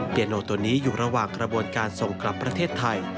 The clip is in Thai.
เยโนตัวนี้อยู่ระหว่างกระบวนการส่งกลับประเทศไทย